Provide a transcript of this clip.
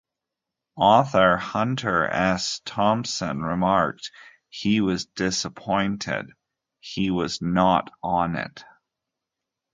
Author Hunter S. Thompson remarked he was disappointed he was not on it.